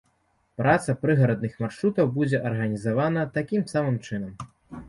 Праца прыгарадных маршрутаў будзе арганізавана такім самым чынам.